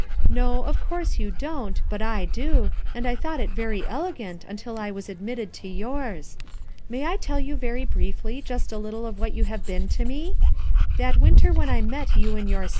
No, 4 if course you dun't, hut I do, and I thought it very elegant iralil I wa* admitted to youri*. May 1 Ull you very briefly just & tittle of fclmt you haw liecn to itjc? That wistcf *h«n I met you and your K?